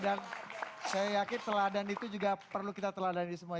dan saya yakin teladan itu juga perlu kita teladanin semua